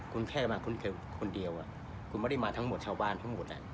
คุณแค่มาคุณแค่คนเดียวคุณไม่ได้มาทั้งหมดชาวบ้านทั้งหมด